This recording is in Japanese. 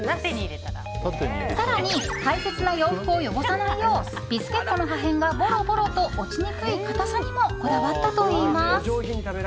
更に、大切な洋服を汚さないようビスケットの破片がボロボロと落ちにくい硬さにもこだわったといいます。